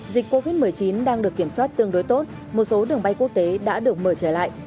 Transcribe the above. dịch covid một mươi chín đang được kiểm soát tương đối tốt một số đường bay quốc tế đã được mở trở lại